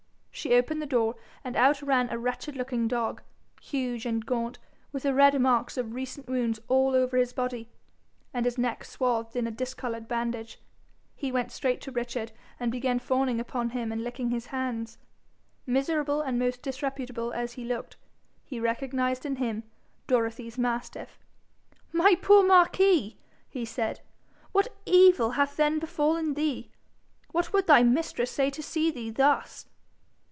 She opened the door, and out ran a wretched looking dog, huge and gaunt, with the red marks of recent wounds all over his body, and his neck swathed in a discoloured bandage. He went straight to Richard, and began fawning upon him and licking his hands. Miserable and most disreputable as he looked, he recognised in him Dorothy's mastiff. 'My poor Marquis!' he said, 'what evil hath then befallen thee? What would thy mistress say to see thee thus?'